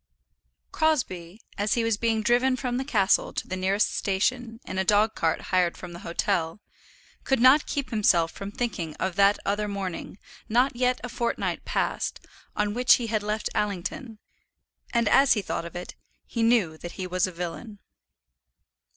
[ILLUSTRATION: (untitled)] Crosbie, as he was being driven from the castle to the nearest station, in a dog cart hired from the hotel, could not keep himself from thinking of that other morning, not yet a fortnight past, on which he had left Allington; and as he thought of it he knew that he was a villain.